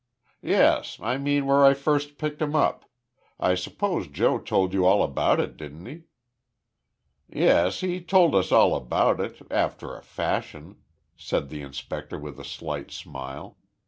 "Yes. I mean where I first picked him up. I suppose Joe told you all about it, didn't he?" "Yes, he told us all about it after a fashion," said the inspector with a slight smile.